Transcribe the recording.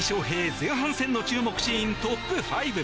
前半戦の注目シーントップ５。